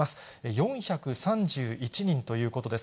４３１人ということです。